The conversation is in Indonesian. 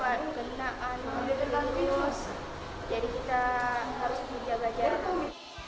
jadi kita harus menjaga jalan